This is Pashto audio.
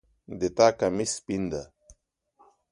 د تا کمیس سپین ده